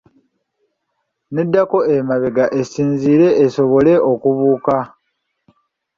Neddako emabega esinzire esobole okubuuka.